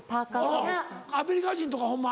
アメリカ人とかホンマ